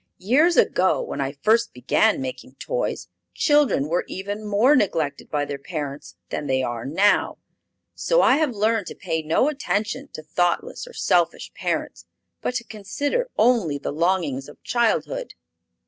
"Years ago, when I first began making toys, children were even more neglected by their parents than they are now; so I have learned to pay no attention to thoughtless or selfish parents, but to consider only the longings of childhood."